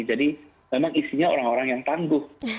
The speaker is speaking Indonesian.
jadi memang isinya orang orang yang tangguh